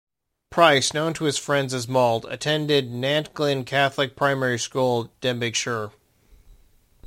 Pryce, known to his friends as Mald, attended Nantglyn Catholic Primary School, Denbighshire.